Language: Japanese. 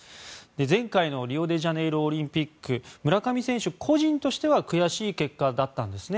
前回のリオデジャネイロオリンピック村上選手個人としては悔しい結果だったんですね。